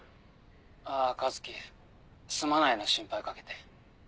あぁ一樹すまないな心配かけて。